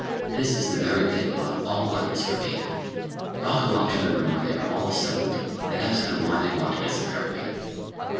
This is the very thing above all others for me. I'll go off to the room where they are all assembled, and ask them why they want to disinherit me.